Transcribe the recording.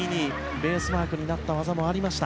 ベースマークになった技もありました。